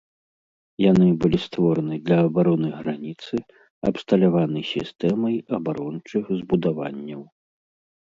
Яны былі створаны для абароны граніцы, абсталяваны сістэмай абарончых збудаванняў.